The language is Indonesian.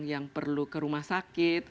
yang perlu ke rumah sakit